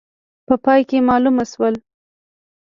په پای کې معلومه شول.